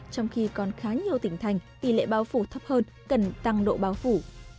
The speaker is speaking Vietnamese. trong khi còn khá nhiều tỉnh thành tỷ lệ bao phủ thấp hơn cần tăng độ bao phủ